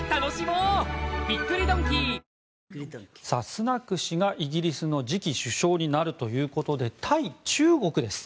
スナク氏がイギリスの次期首相になるということで対中国です。